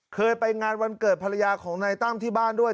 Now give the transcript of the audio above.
เคยไปงานวันเกิดภรรยาของนายตั้มที่บ้านด้วย